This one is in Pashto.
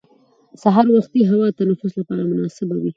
سهار وختي هوا د تنفس لپاره مناسبه وي